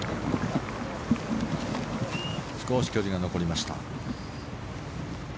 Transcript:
少し距離が残りました。